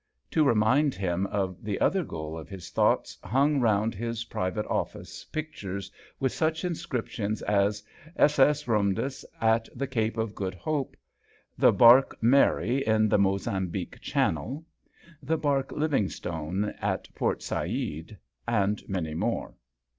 To remind him of the ther goal of his thoughts hung nd his private office pictures ath such inscriptions as " S.S. ndus at the Cape of Good lope," " The barque Mary in he Mozambique Channel/ 1 "The arque Livingstone at Port Said," nd many more.